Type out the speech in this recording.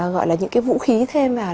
gọi là những cái vũ khí thêm vào